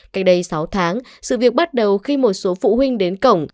cách đây sáu tháng sự việc bắt đầu khi một số phụ huynh đến cổng